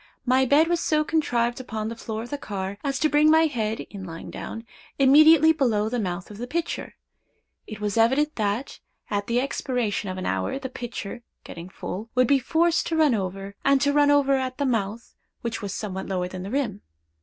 My bed was so contrived upon the floor of the car, as to bring my head, in lying down, immediately below the mouth of the pitcher. It was evident, that, at the expiration of an hour, the pitcher, getting full, would be forced to run over, and to run over at the mouth, which was somewhat lower than the rim.